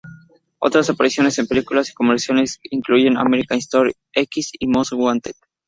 Otras apariciones en películas y comerciales incluyen "American History X" y "Most Wanted".